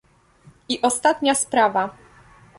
I ostatnia sprawa